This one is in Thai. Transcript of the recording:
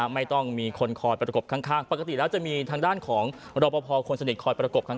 ไม่ต้องมีคนคอยประกบข้างปกติแล้วจะมีทางด้านของรอปภคนสนิทคอยประกบข้าง